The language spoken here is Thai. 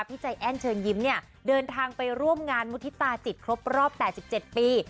พี่ใจแอ้นเชิญยิ้มเนี่ยเดินทางไปร่วมงานมุฒิตาจิตครบรอบ๘๗ปี